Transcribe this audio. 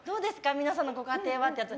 皆さんのご家庭はってやつ。